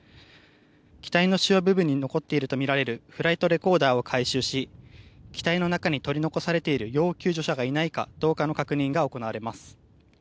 機体の主要部分に残っているとみられるフライトレコーダーを回収し機体の中に取り残されている要救助者がいないかどうかの確認が行われます。